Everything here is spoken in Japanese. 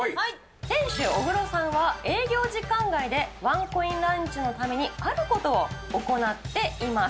店主、小黒さんは営業時間外でワンコインランチのためにあることを行っています。